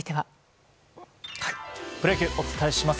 プロ野球、お伝えします。